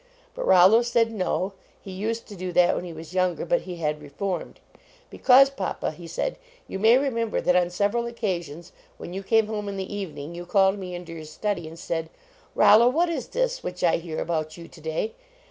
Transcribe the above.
But Rollo said no ; he used to do that when he was younger. But he had reformed. "Because, papa," he said, "you may re 106 rfAS member that on several occasions, when you came home in the evening, you called me into your study and said, Rollo, what is thi> which I hear about you to day?